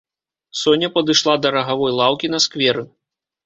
Соня падышла да рагавой лаўкі на скверы.